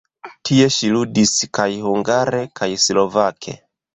Tie ŝi ludis kaj hungare kaj slovake.